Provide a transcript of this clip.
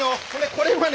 これはね